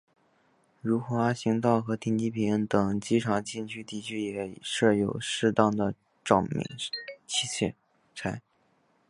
如滑行道和停机坪等机场禁区地区也设有适当的照明器材。